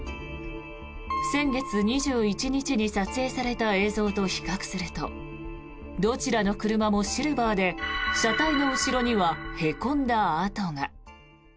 先月２１日に撮影された映像と比較するとどちらの車もシルバーで車体の後ろには、へこんだ跡が。